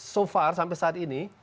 so far sampai saat ini